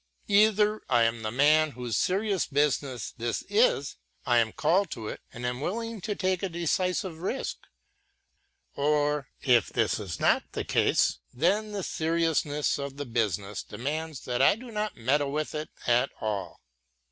Hither, I am the man whose serious business this is, I am called to it, and am willing to take a decisive risk; or, if this be not the case, then the seriousness of the business demands that I do not meddle with it at all.